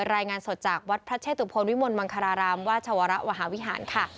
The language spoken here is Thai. รายงานสดจากวัดพระเชตุพลวิมลมังคารารามราชวรมหาวิหารค่ะ